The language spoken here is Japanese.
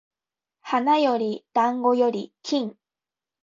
花より団子より金